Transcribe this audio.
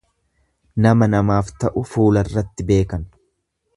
Nama namaaf ta'u fuularratti beekan.